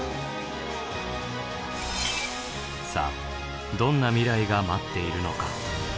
さあどんな未来が待っているのか。